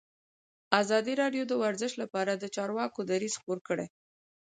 ازادي راډیو د ورزش لپاره د چارواکو دریځ خپور کړی.